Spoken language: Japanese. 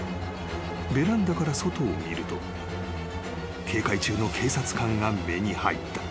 ［ベランダから外を見ると警戒中の警察官が目に入った］